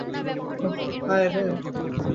ওহ, হায়রে!